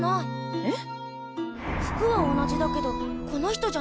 えっ？